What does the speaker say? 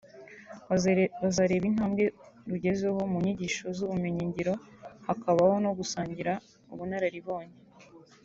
bazareba intambwe rugezeho mu nyigisho z’ubumenyingiro hakabaho no gusangira ubunararibonye